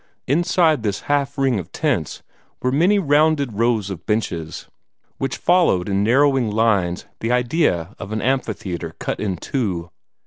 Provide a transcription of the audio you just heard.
Inside this half ring of tents were many rounded rows of benches, which followed in narrowing lines the idea of an amphitheatre cut in two.